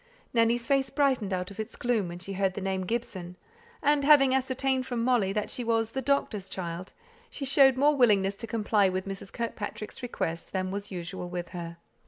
Nanny's face brightened out of its gloom when she heard the name Gibson; and, having ascertained from Molly that she was "the doctor's" child, she showed more willingness to comply with Mrs. Kirkpatrick's request than was usual with her.